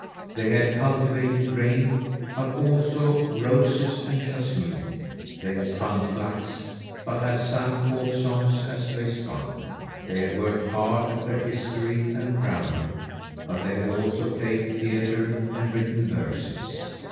They had cultivated grain, but also roses and jasmine. They had spun flax, but had sung folk songs as they spun. They had worked hard at their history and grammar, but they had also played theatre and written verses.